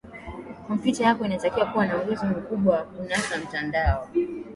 kompyuta yako inatakiwa kuwa na uwezo mkubwa wa kunasa mtandao